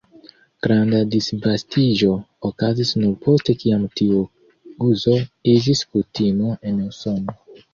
Granda disvastiĝo okazis nur post kiam tiu uzo iĝis kutimo en Usono.